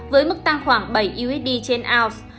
với mức tăng khoảng bảy usd trên aus